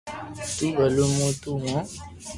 تو ڀلو مون نو مون